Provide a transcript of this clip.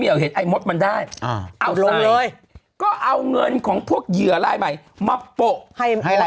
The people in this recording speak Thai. เห็นไอ้มดมันได้อ่าเอาลงเลยก็เอาเงินของพวกเหยื่อลายใหม่มาโปะให้อะไร